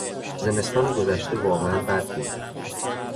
زمستان گذشته واقعا بد بود.